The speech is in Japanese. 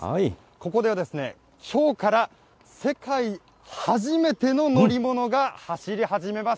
ここではきょうから世界初めての乗り物が走り始めます。